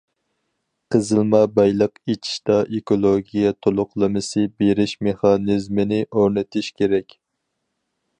قېزىلما بايلىق ئېچىشتا ئېكولوگىيە تولۇقلىمىسى بېرىش مېخانىزمىنى ئورنىتىش كېرەك.